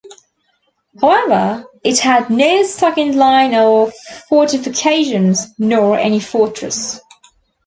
However, it had no second line of fortifications, nor any fortress.